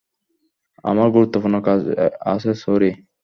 আমার গুরুত্বপূর্ণ কাজ আছে, সরি।